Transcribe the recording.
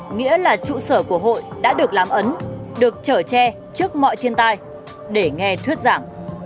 nghĩa là trụ sở của hội đã được làm ấn được trở tre trước mọi thiên tai để nghe thuyết giảng